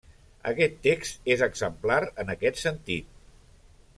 Aquest text és exemplar en aquest sentit.